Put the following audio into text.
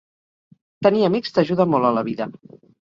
Tenir amics t'ajuda molt a la vida.